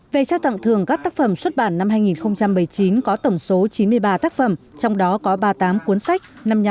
về trao tặng thường các tác phẩm xuất bản năm hai nghìn một mươi chín có tổng số chín mươi ba tác phẩm trong đó có ba mươi tám cuốn sách